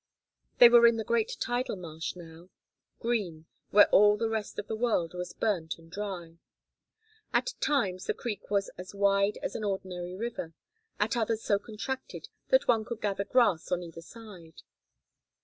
They were in the great tidal marsh now, green, where all the rest of the world was burnt and dry. At times the creek was as wide as an ordinary river, at others so contracted that one could gather grass on either side.